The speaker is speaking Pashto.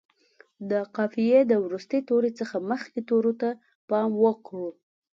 د قافیې د وروستي توري څخه مخکې تورو ته پام وکړو.